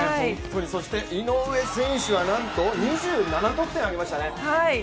井上選手はなんと２７得点挙げましたね。